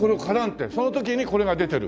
その時にこれが出てる？